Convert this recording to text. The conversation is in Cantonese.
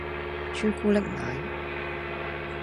朱古力奶